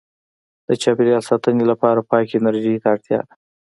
• د چاپېریال ساتنې لپاره پاکې انرژۍ ته اړتیا ده.